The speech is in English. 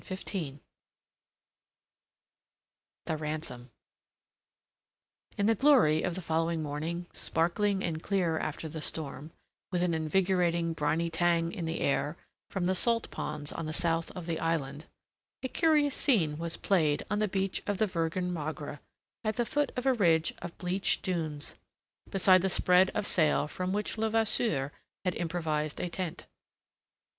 CHAPTER XV. THE RANSOM In the glory of the following morning, sparkling and clear after the storm, with an invigorating, briny tang in the air from the salt ponds on the south of the island, a curious scene was played on the beach of the Virgen Magra, at the foot of a ridge of bleached dunes, beside the spread of sail from which Levasseur had improvised a tent.